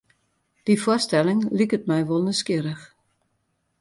Dy foarstelling liket my wol nijsgjirrich.